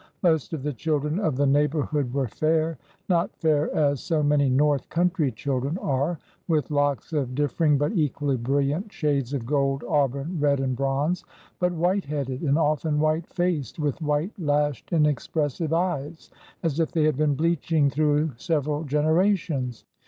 Most of the children of the neighborhood were fair. Not fair as so many North country children are, with locks of differing, but equally brilliant, shades of gold, auburn, red, and bronze; but white headed, and often white faced, with white lashed inexpressive eyes, as if they had been bleaching through several generations.